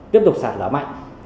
tiếp tục sạt lở mạnh